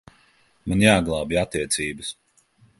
Man jāglābj attiecības.